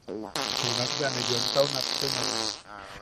Junak bea ne yoemtau nattemaek: